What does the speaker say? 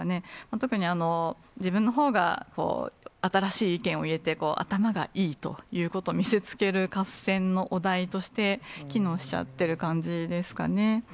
特に自分のほうが新しい意見を入れて頭がいいということを、見せつける合戦のお題として、機能しちゃってる感じですかね。